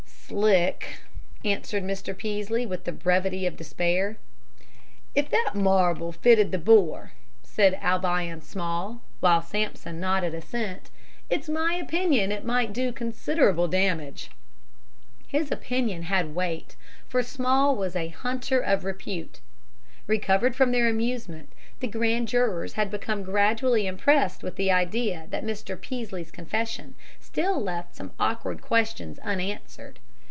"Slick," answered Mr. Peaslee, with the brevity of despair. "If that marble fitted the bore," said Albion Small, while Sampson nodded assent, "it's my opinion it might do considerable damage." His opinion had weight, for Small was a hunter of repute. Recovered from their amusement, the grand jurors had become gradually impressed with the idea that Mr. Peaslee's confession still left some awkward questions unanswered.